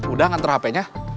udah nganter hp nya